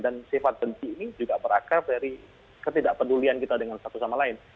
sifat benci ini juga berakar dari ketidakpedulian kita dengan satu sama lain